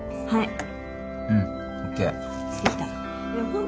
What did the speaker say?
はい。